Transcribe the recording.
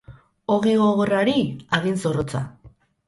Ogi gogorrari, hagin zorrotza.